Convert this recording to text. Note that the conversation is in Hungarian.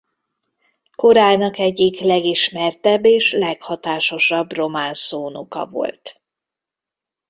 Korának egyik legismertebb és leghatásosabb román szónoka volt.